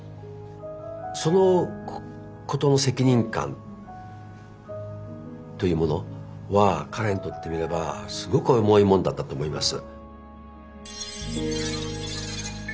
そのことの責任感というものは彼にとってみればすごく重いものだったと思います。